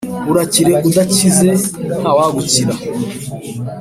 Urakire udakize ntawagukira »